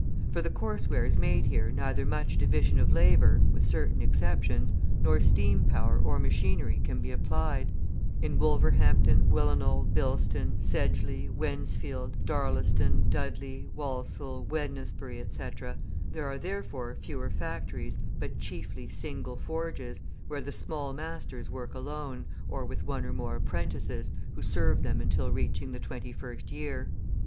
For the coarse wares made here neither much division of labour (with certain exceptions) nor steam power or machinery can be applied. In Wolverhampton, Willenhall, Bilston, Sedgeley, Wednesfield, Darlaston, Dudley, Walsall, Wednesbury, etc., there are, therefore, fewer factories, but chiefly single forges, where the small masters work alone, or with one or more apprentices, who serve them until reaching the twenty first year.